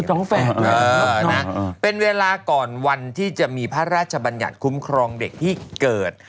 ท้องแฝดเป็นเวลาก่อนวันที่จะมีพระราชบัญญัติคุ้มครองเด็กที่เกิด